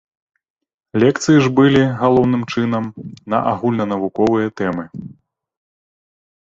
Лекцыі ж былі, галоўным чынам, на агульнанавуковыя тэмы.